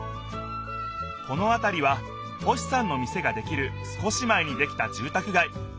このあたりは星さんの店ができる少し前にできたじゅうたくがい。